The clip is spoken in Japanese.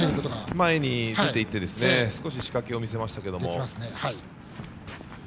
前に出ていって少し仕掛けを見せましたけれども。